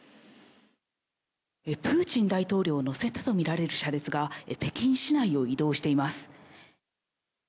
プーチン大統領を乗せたとみられる車列が北京市内を移動しています。